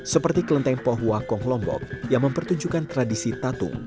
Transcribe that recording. seperti klenteng pohua kong lombok yang mempertunjukkan tradisi tatung